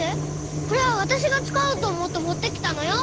これはわたしがつかおうとおもってもってきたのよ！